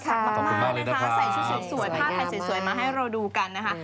ใส่ชุดผ้าไทยสวยมาให้ดูกันนะคะ